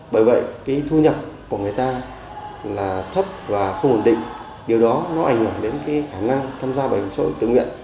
bởi vậy cái thu nhập của người ta là thấp và không ổn định điều đó nó ảnh hưởng đến cái khả năng tham gia bảo hiểm xã hội tự nguyện